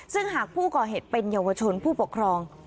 ซึ่งหากผู้ก่อเหตุเป็นเยาวชนผู้ปกครอง